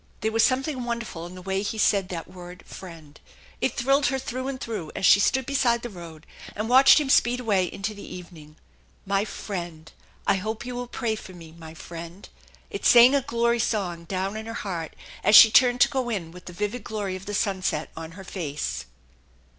There was something wonderful in the way he said that word " friend." It thrilled her through and through as she stood beside the road and watched him speed away into the evening. "My friend! I hope you will pray for me, my friend!" It sang a glory song down in her heart as she turned to go in with the vivid glory of the sunset on her face.